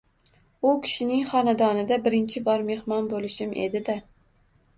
U kishining xonadonida birinchi bor mehmon bo’lishim edi-da.